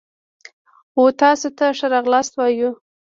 و تاسو ته ښه راغلاست وایو.